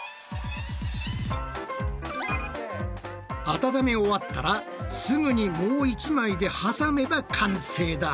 温め終わったらすぐにもう一枚で挟めば完成だ！